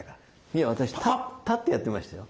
いや私立ってやってましたよ。